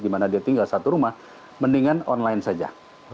dimana dia tinggal satu rumah mendingan online saja